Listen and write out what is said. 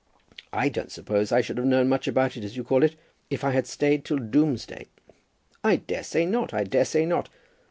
"I don't suppose I should have known much about it, as you call it, if I had stayed till Doomsday." "I daresay not; I daresay not.